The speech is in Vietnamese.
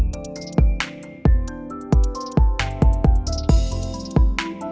hẹn gặp lại